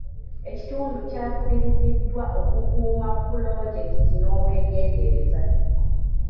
Ekitundu kyakubiriziddwa okukuuma pulojekiti n'obwegendereza.